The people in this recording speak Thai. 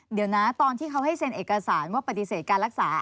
เดี๋ยวนะตอนที่เขาให้เซ็นเอกสารว่าปฏิเสธการรักษา